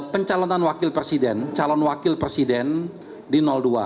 pencalonan wakil presiden calon wakil presiden di dua